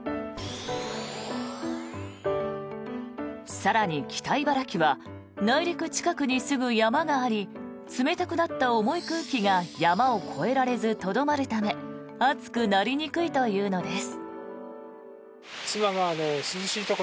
更に、北茨城は内陸近くにすぐ山があり冷たくなった重い空気が山を越えられず、とどまるため暑くなりにくいというのです。